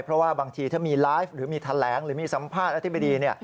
เพราะว่าบางทีถ้ามีไลฟ์หรือมีแถลงหรือมีสัมภาษณ์อธิบดี